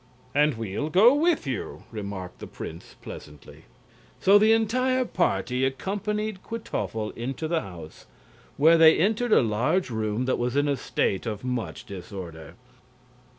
"And we'll go with you," remarked the prince, pleasantly. So the entire party accompanied Kwytoffle into the house, where they entered a large room that was in a state of much disorder.